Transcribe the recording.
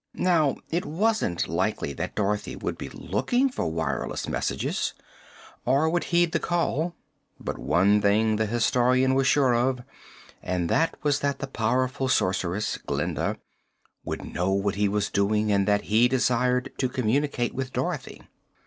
Now, it wasn't likely that Dorothy would be looking for wireless messages or would heed the call; but one thing the Historian was sure of, and that was that the powerful Sorceress, Glinda, would know what he was doing and that he desired to communicate with Dorothy.